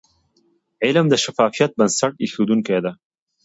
علم د شفافیت بنسټ ایښودونکی د.